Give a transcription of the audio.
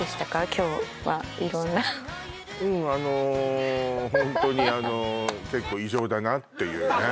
今日は色んなうんあのホントにあの結構異常だなっていうね